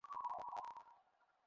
নিষিদ্ধ কিছু সাথে আছে, আপা?